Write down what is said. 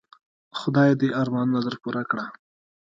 خدای دي ارمانونه در پوره کړه .